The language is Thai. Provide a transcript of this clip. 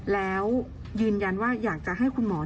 แล้วยืนยันว่าอยากจะให้คุณหมอ